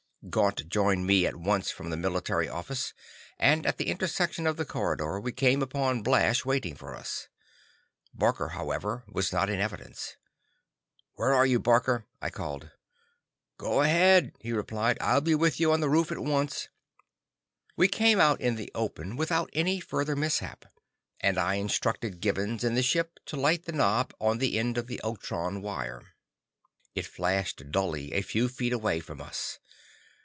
Gaunt joined me at once from the military office, and at the intersection of the corridor, we came upon Blash waiting for us. Barker, however, was not in evidence. "Where are you, Barker?" I called. "Go ahead," he replied. "I'll be with you on the roof at once." We came out in the open without any further mishap, and I instructed Gibbons in the ship to light the knob on the end of the ultron wire. It flashed dully a few feet away from us.